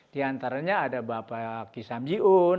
diantaranya ada bapak kisam jiun